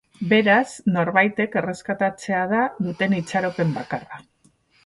Beraz, norbaitek erreskatatzea da duten itxaropen bakarra.